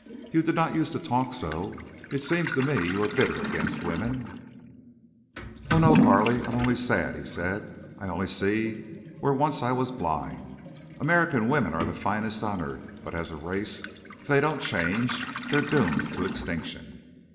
"You did not use to talk so. It seems to me you are bitter against women." "Oh no, Carley! I am only sad," he said. "I only see where once I was blind. American women are the finest on earth, but as a race, if they don't change, they're doomed to extinction."